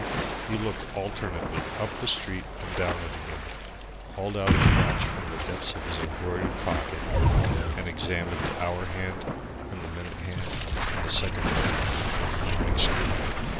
He looked alternately up the street and down it again, hauled out his watch from the depths of his embroidered pocket, and examined the hour hand and the minute hand and the second hand with frowning scrutiny.